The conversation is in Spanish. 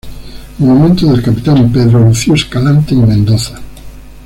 Monumento del Capitán Pedro Lucio Escalante y Mendoza.